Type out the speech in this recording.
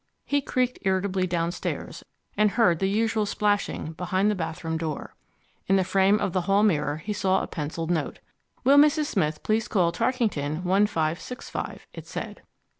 He creaked irritably downstairs, and heard the usual splashing behind the bathroom door. In the frame of the hall mirror he saw a pencilled note: Will Mrs. Smith please call Tarkington 1565, it said.